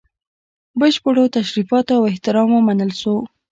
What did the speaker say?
بشپړو تشریفاتو او احترام ومنل سو.